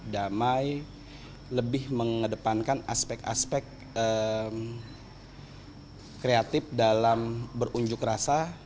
damai lebih mengedepankan aspek aspek kreatif dalam berunjuk rasa